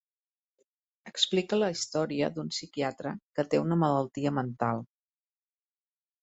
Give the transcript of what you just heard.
Explica la història d'un psiquiatre que té una malaltia mental.